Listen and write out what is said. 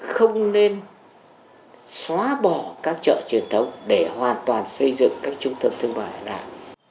có nên xóa bỏ các chợ truyền thống để hoàn toàn xây dựng các trung tâm thương mại này